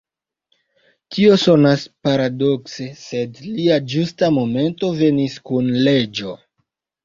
Tio sonas paradokse, sed lia ĝusta momento venis kun leĝo.